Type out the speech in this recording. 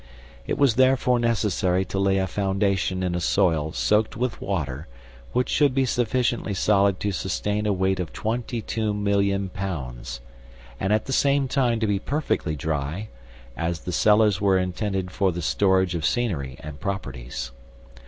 It was therefore necessary to lay a foundation in a soil soaked with water which should be sufficiently solid to sustain a weight of 22,000,000 pounds, and at the same time to be perfectly dry, as the cellars were intended for the storage of scenery and properties.